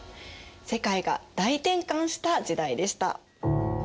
世界が大転換した時代でした。